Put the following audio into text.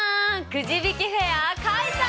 「くじびきフェア！」開催！